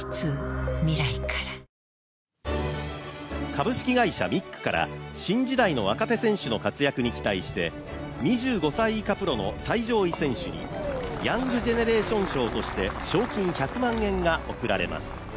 株式会社ミックから新時代の若手選手の活躍に期待して２５歳以下プロの最上位選手にヤングジェネレーション賞として賞金１００万円が贈られます。